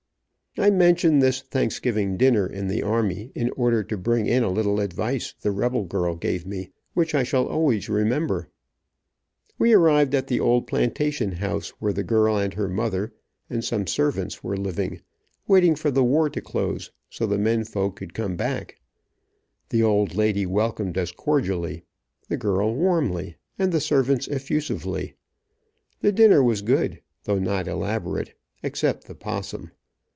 I mention this Thanksgiving dinner in the army, in order to bring in a little advice the rebel girl gave me, which I shall always remember. We arrived at the old plantation house where the girl and her mother and some servants were living, waiting for the war to close, so the men folks could come back. The old lady welcomed us cordially, the girl warmly and the servants effusively. The dinner was good, though not elaborate, except the possum.